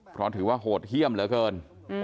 เพราะถือว่าโหดเยี่ยมเหลือเกิน